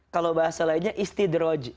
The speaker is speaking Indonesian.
kalau bahasa lainnya istidroj